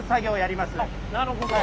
なるほど。